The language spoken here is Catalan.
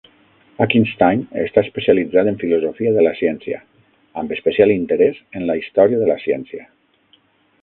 Achinstein està especialitzat en filosofia de la ciència amb especial interès en la història de la ciència.